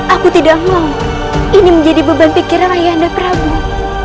aku tidak mau ini menjadi beban pikiran ayahanda prabowo